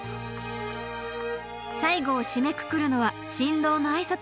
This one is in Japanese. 最後を締めくくるのは新郎の挨拶。